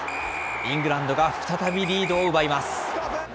イングランドが再びリードを奪います。